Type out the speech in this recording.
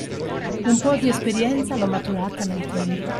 Un po’ di esperienza l’ho maturata nel tempo